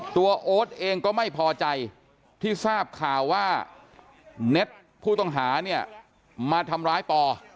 โอ๊ตเองก็ไม่พอใจที่ทราบข่าวว่าเน็ตผู้ต้องหาเนี่ยมาทำร้ายปอ